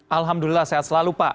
alhamdulillah sehat selalu pak